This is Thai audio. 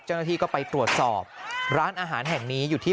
เจ้าหน้าที่ก็ไปตรวจสอบร้านอาหารแห่งนี้อยู่ที่